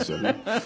ハハ。